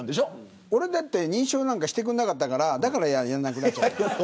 俺は認証してくれなかったからだからやらなくなっちゃった。